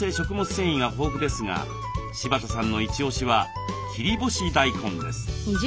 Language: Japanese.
繊維が豊富ですが柴田さんのイチオシは切り干し大根です。